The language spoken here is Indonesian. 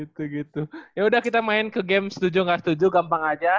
gitu gitu yaudah kita main ke game setuju gak setuju gampang aja